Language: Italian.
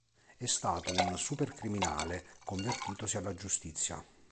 È stato un supercriminale convertitosi alla giustizia.